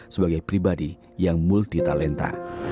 sebagai pribadi yang multitalenta